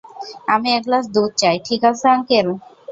আমি এক গ্লাস দুধ চাই, ঠিক আছে, আঙ্কেল?